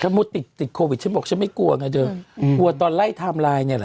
ถ้างั้นผมติดโควิดฉันบอกฉันไม่กลัวอังญาติเดิมกลัวตอนไล่ไทม์ไลน์เนี่ยละ